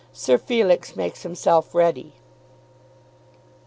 SIR FELIX MAKES HIMSELF READY.